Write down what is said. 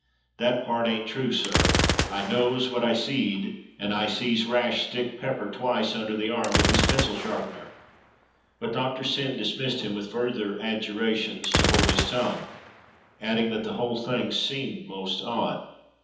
That part ain't true, sir. I knows what I seed, and I sees Rash stick Pepper twice under the arm with his pencil sharpener." But Doctor Syn dismissed him with further adjura tions to hold his tongue, adding that the whole thing seemed most odd.